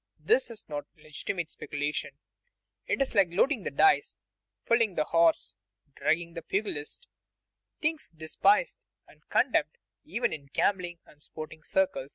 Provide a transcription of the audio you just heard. This is not legitimate speculation; it is like loading the dice, pulling the horse, drugging the pugilist things despised and condemned even in gambling and sporting circles.